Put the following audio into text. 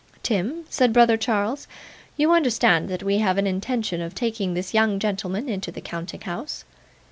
'Tim,' said brother Charles, 'you understand that we have an intention of taking this young gentleman into the counting house?